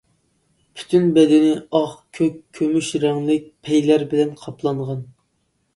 پۈتۈن بەدىنى ئاق، كۆك، كۈمۈش رەڭلىك پەيلەر بىلەن قاپلانغان.